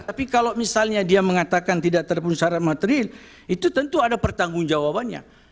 tapi kalau misalnya dia mengatakan tidak terpensara material itu tentu ada pertanggung jawabannya